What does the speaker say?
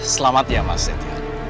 selamat ya mas setio